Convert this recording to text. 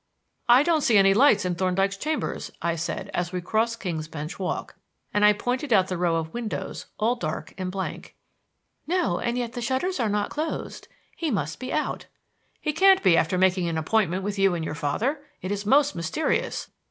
"I don't see any light in Thorndyke's chambers," I said, as we crossed King's Bench Walk; and I pointed out the row of windows all dark and blank. "No; and yet the shutters are not closed. He must be out." "He can't be after making an appointment with you and your father. It is most mysterious.